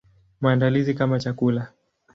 Maandalizi kama chakula.